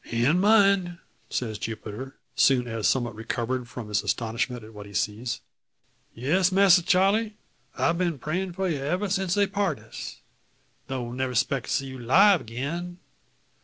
"An' myen," says Jupiter, soon as somewhat recovered from his astonishment at what he sees; "Yes, Masser Charle; I'se been prayin' for you ever since they part us, though never 'spected see you 'live 'gain.